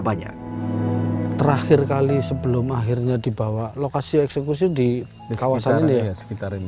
banya terakhir kali sebelum akhirnya dibawa lokasi eksekusi di kawasan ini ya sekitar ini di sekitar apa